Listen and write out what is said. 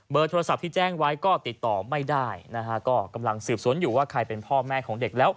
โดยโทรศัพท์ที่แจ้งไว้ก็ติดต่อไม่ได้นะฮะก็กำลังสืบสวนอยู่ว่าใครเป็นพ่อแม่ของเด็กแล้ว